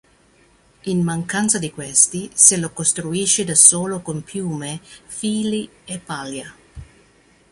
In mancanza di questi se lo costruisce da solo con piume, fili e paglia.